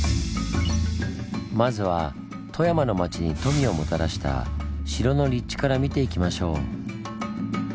まずは富山の町に富をもたらした城の立地から見ていきましょう。